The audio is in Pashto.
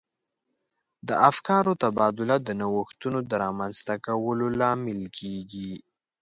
د افکارو تبادله د نوښتونو د رامنځته کولو لامل کیږي.